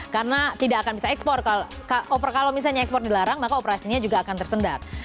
karena tidak akan bisa ekspor kalau misalnya ekspor dilarang maka operasinya juga akan tersendat